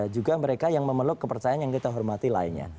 juga mereka yang memeluk kepercayaan yang kita hormati lainnya